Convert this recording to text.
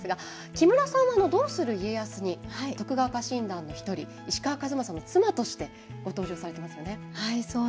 木村さんは「どうする家康」に徳川家臣団の１人、石川数正の妻として、ご登場されてますよね。